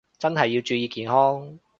真係要注意健康